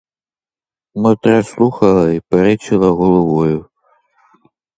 Мотря слухала і перечила головою.